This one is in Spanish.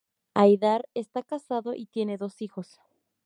Haidar está casado y tiene dos hijos.